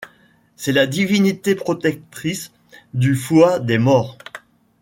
C'est la divinité protectrice du foie des morts.